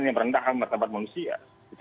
yang rendah sama tempat manusia